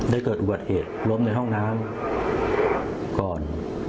เกิดอุบัติเหตุล้มในห้องน้ำก่อน